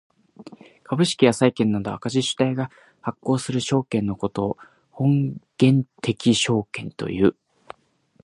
株式や債券などの赤字主体が発行する証券のことを本源的証券という。